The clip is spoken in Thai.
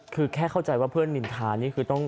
คือแค่เข้าใจว่าเพื่อนนินทานี่คือต้อง